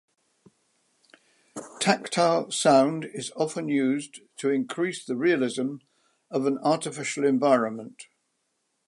Tactile sound is often used to increase the realism of an artificial environment.